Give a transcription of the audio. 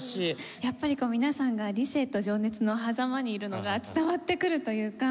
やっぱり皆さんが理性と情熱のはざまにいるのが伝わってくるというか。